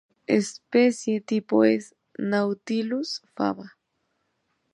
Su especie tipo es "Nautilus faba".